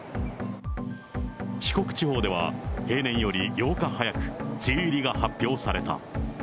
四国地方では、平年より８日早く梅雨入りが発表された。